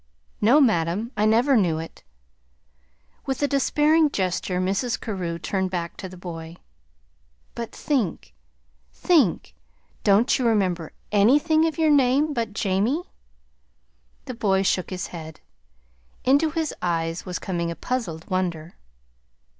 "No, madam. I never knew it." With a despairing gesture Mrs. Carew turned back to the boy. "But think, think don't you remember ANYTHING of your name but Jamie?" The boy shook his head. Into his eyes was coming a puzzled wonder.